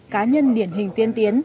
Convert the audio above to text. cá nhân điển hình tiên tiến